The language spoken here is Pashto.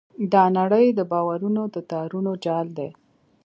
دا نړۍ د باورونو د تارونو جال دی.